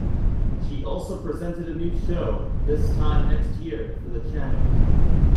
She also presented a new show, "This Time Next Year" for the channel.